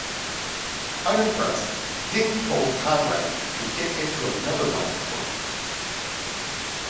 Unimpressed, Ding told Conrad to "get into another line of work".